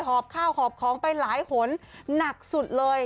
หอบข้าวหอบของไปหลายหนหนักสุดเลย